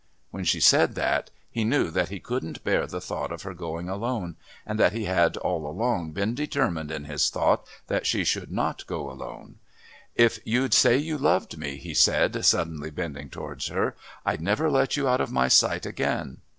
When she said that, he knew that he couldn't bear the thought of her going alone, and that he had all along been determined in his thought that she should not go alone. "If you'd say you loved me," he said, suddenly bending towards her, "I'd never let you out of my sight again."